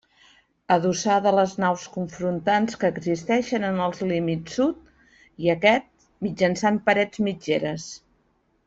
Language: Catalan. Adossada a les naus confrontants que existeixen en els límits sud i aquest, mitjançant parets mitgeres.